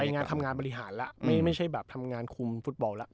งานทำงานบริหารแล้วไม่ใช่แบบทำงานคุมฟุตบอลแล้ว